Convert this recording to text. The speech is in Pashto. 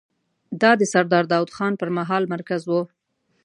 دا د سردار داوود خان پر مهال مرکز و.